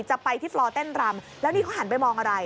จะไปที่ฟลอเต้นรำแล้วนี่เขาหันไปมองอะไร